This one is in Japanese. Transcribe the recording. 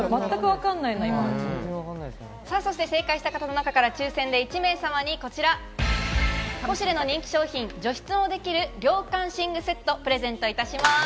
そして正解した方の中から抽選で１名様にこちら、ポシュレの人気商品「除湿もできる涼感寝具セット」、プレゼントいたします。